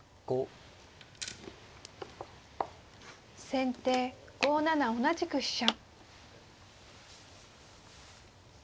先手５七同じく飛車。